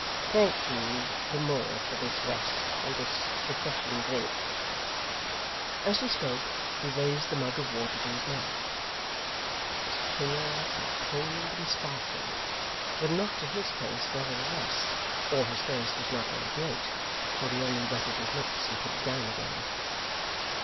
Thank you the more for this rest, and this refreshing drink!' As he spoke, he raised the mug of water to his mouth. It was clear, and cold, and sparkling, but not to his taste nevertheless, or his thirst was not very great, for he only wetted his lips and put it down again.